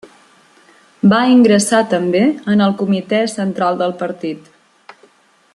Va ingressar també en el comitè central del partit.